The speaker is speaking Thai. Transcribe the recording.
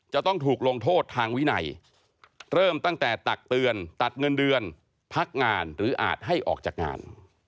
จะต้องถูกลงโทษทางวินัยเริ่มตั้งแต่ตักเตือนตัดเงินเดือนพักงานหรืออาจให้ออกจากงาน